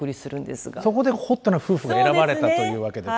そこでホットな夫婦が選ばれたというわけで。